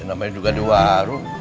namanya juga di warung